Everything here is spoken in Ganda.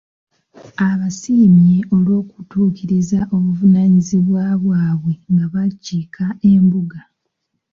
Abasiimye olw'okutuukiriza obuvunaanyizibwa bwabwe nga bakiika embuga.